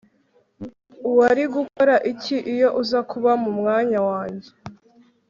Wari gukora iki iyo uza kuba mu mwanya wanjye